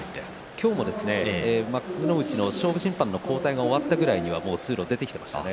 今日も幕内の勝負審判の交代が終わったくらいには通路に出てきていましたね。